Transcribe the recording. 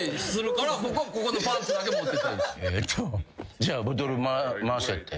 じゃあボトル回せって。